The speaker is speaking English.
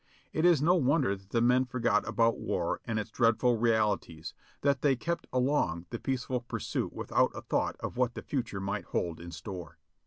It is no wonder that the men forgot about war and its dread ful realities, that they kept along the peaceful pursuit without a thought of what the future might hold in store.